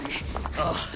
ああ。